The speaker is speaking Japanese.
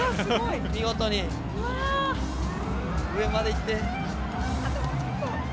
見事に上まで行って。